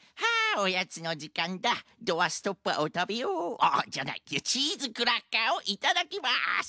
ああじゃないチーズクラッカーをいただきますっと。